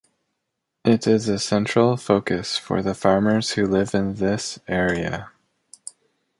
It is a central focus for the farmers who live in this area.